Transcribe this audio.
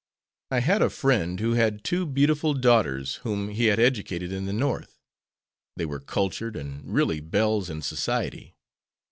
I had a friend who had two beautiful daughters whom he had educated in the North. They were cultured, and really belles in society.